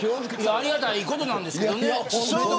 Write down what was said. ありがたいことなんですけどね。